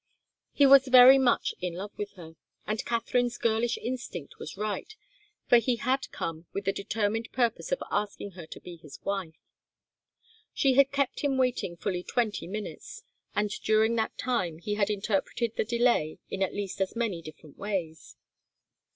He was very much in love with her, and Katharine's girlish instinct was right, for he had come with the determined purpose of asking her to be his wife. She had kept him waiting fully twenty minutes, and during that time he had interpreted the delay in at least as many different ways.